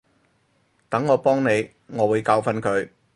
等我幫你，我會教訓佢